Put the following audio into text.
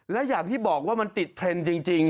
และอย่างที่บอกว่ามันติดเทรนด์จริง